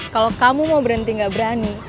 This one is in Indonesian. kalau kamu mau berhenti gak berani